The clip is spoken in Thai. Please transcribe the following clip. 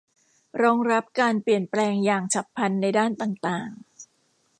รองรับการเปลี่ยนแปลงอย่างฉับพลันในด้านต่างต่าง